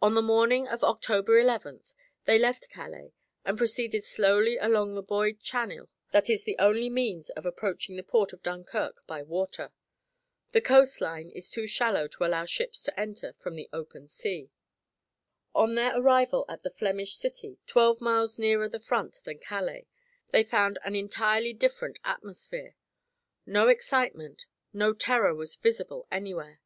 On the morning of October eleventh they left Calais and proceeded slowly along the buoyed channel that is the only means of approaching the port of Dunkirk by water. The coast line is too shallow to allow ships to enter from the open sea. On their arrival at the Flemish city twelve miles nearer the front than Calais they found an entirely different atmosphere. No excitement, no terror was visible anywhere.